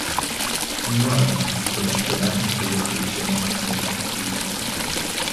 І не важна, што на чэмпіянат не прыехалі ўсе наймацнейшыя хакеісты.